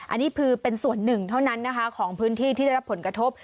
อันนี้คือเป็นส่วนหนึ่งเท่านั้นนะคะของพื้นที่ที่ได้รับผลกระทบ